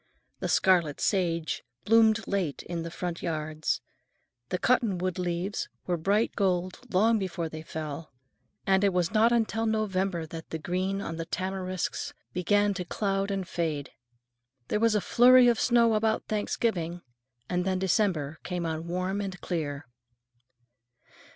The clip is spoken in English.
The scarlet sage bloomed late in the front yards, the cottonwood leaves were bright gold long before they fell, and it was not until November that the green on the tamarisks began to cloud and fade. There was a flurry of snow about Thanksgiving, and then December came on warm and clear.